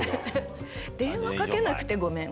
「電話かけなくてごめん」？